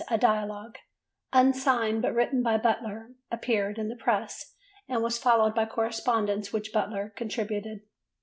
A Dialogue," unsigned but written by Butler, appeared in the Press and was followed by correspondence to which Butler contributed.